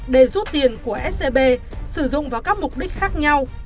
để rút tiền của scb sử dụng vào các mục đích khác nhau